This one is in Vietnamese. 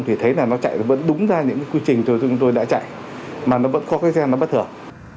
thì thấy là nó chạy vẫn đúng ra những cái quy trình tôi chúng tôi đã chạy mà nó vẫn có cái gen nó bất thường